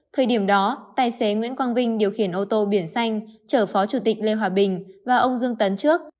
thời điểm đó tài xế nguyễn quang vinh điều khiển ô tô biển xanh chở phó chủ tịch lê hòa bình và ông dương tấn trước